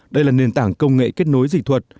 đây là nền tảng công nghệ kết nối dịch thuật